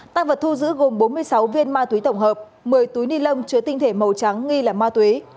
tăng vật thu giữ gồm bốn mươi sáu viên ma túy tổng hợp một mươi túi ni lông chứa tinh thể màu trắng nghi là ma túy